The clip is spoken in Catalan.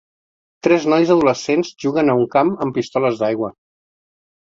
Tres nois adolescents juguen a un camp amb pistoles d'aigua.